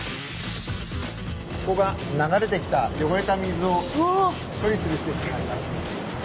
ここが流れてきた汚れた水を処理するしせつとなります。